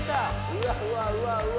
うわうわうわうわ。